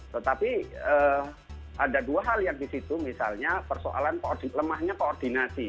tetapi ada dua hal yang di situ misalnya persoalan lemahnya koordinasi